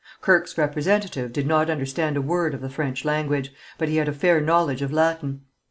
Kirke's representative did not understand a word of the French language, but he had a fair knowledge of Latin.